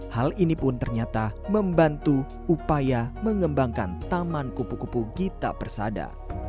hal ini pun ternyata membantu upaya mengembangkan taman kupu kupu gita persada